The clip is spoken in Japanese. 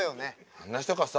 あんな人がさ